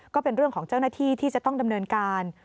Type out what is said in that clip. ก็เป็นเรื่องของเจ้าหน้าที่ที่จะต้องดำเนินการ